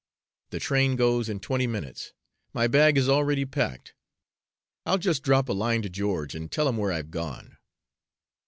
The train goes in twenty minutes. My bag is already packed. I'll just drop a line to George and tell him where I've gone."